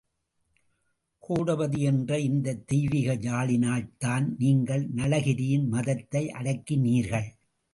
கோடபதி என்ற இந்தத் தெய்வீக யாழினால்தான் நீங்கள் நளகிரியின் மதத்தை அடக்கினீர்கள்!